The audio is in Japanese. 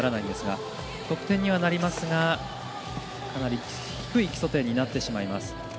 ペアは得点にはなりますがかなり低い基礎点になってしまいます。